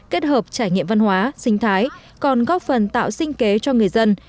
kết hợp trải nghiệm văn hóa sinh thái còn góp phần tạo sinh kế cho người dân